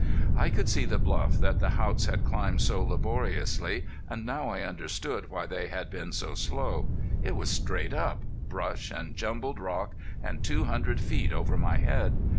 I could see the bluff that the Haughts had climbed so laboriously, and now I understood why they had been so slow. It was straight up, brush and jumbled rock, and two hundred feet over my head.